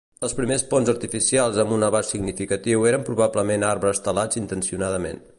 Els primers ponts artificials amb un abast significatiu eren probablement arbres talats intencionadament.